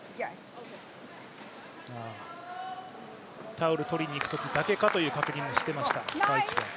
タオル取りに行くときだけかという確認をされていました。